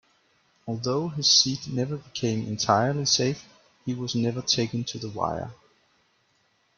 Although his seat never became entirely safe, he was never taken to the wire.